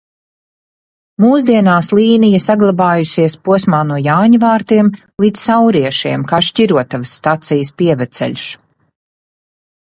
Mūsdienās līnija saglabājusies posmā no Jāņavārtiem līdz Sauriešiem kā Šķirotavas stacijas pievedceļš.